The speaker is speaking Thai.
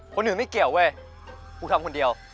คนอื่นไม่เกี่ยวเว้ยกูทำคนเดียว